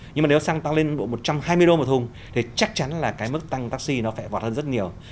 nhưng mà nếu xăng tăng lên một trăm hai mươi đô một thùng thì chắc chắn là cái mức tăng taxi nó sẽ vọt hơn rất nhiều